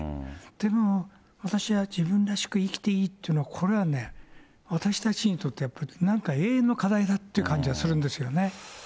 でも、私は自分らしく生きていいっていうのは、これはね、私たちにとってやっぱり、なんか永遠の課題だっていう感じはするんですよね。